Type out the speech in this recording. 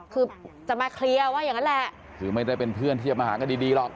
คือจะมาเคลียร์ว่าอย่างนั้นแหละคือไม่ได้เป็นเพื่อนที่จะมาหากันดีดีหรอก